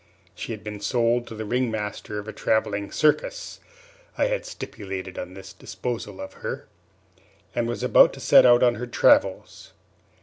She had been sold to the ring master of a travelling circus (I had stipulated on this disposal of her), and was about to set out on her travels.